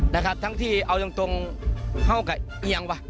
นะครับทั้งที่เอาตรงเข้ากับเอียงว่ะ